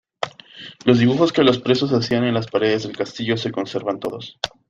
Los dibujos que los presos hacían en las paredes del castillo se conservan todos.